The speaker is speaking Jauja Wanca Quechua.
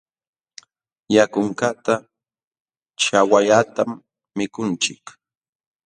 Yakunkaqta ćhawallatam mikunchik.